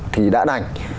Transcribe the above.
thì đã đành